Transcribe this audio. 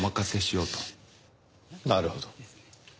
なるほど。